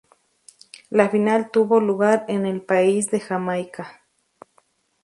La final tuvo lugar en el país de Jamaica.